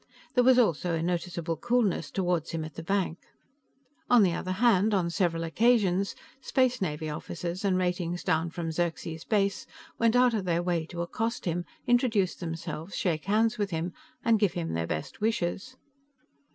There was also a noticeable coolness toward him at the bank. On the other hand, on several occasions, Space Navy officers and ratings down from Xerxes Base went out of their way to accost him, introduce themselves, shake hands with him and give him their best wishes.